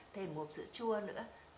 thêm một hộp sữa chua nữa